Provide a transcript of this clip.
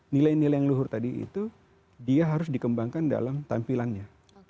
nilai nilai yang luhur tadi itu dia harus dikembangkan dalam tampilannya